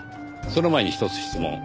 その前に一つ質問を。